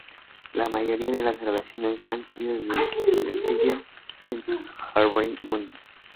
La mayoría de sus grabaciones han sido para el sello Deutsche Harmonia Mundi.